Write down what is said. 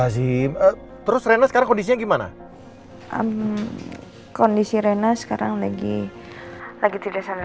di rumah sakit mana